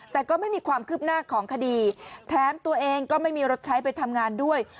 แต่ก็ไม่มีความคืบหน้าของคดีแถมตัวเองก็ไม่มีรถใช้ไปทำงานด้วย